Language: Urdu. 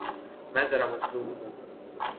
میں ذرا مصروف ہوں۔